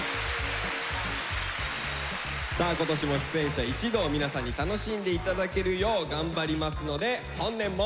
さあ今年も出演者一同皆さんに楽しんで頂けるよう頑張りますので本年も。